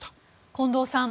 近藤さん